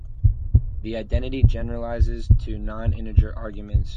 The identity generalizes to non-integer arguments.